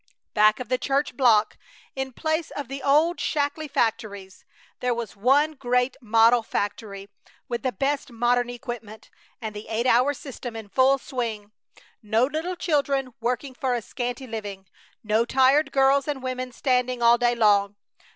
Back of the church block, in place of the old shackly factories, there was one great model factory with the best modern equipment, and the eight hour system in full swing. No little children working for a scanty living! No tired girls and women standing all day long!